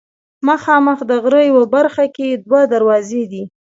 مخامخ د غره یوه برخه کې دوه دروازې دي.